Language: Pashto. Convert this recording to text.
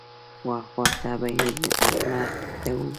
واه واه، ته دې بې عقلۍ ته وګوره.